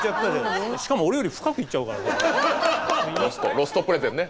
ロストプレゼンね。